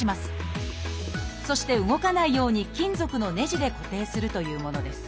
そして動かないように金属のねじで固定するというものです。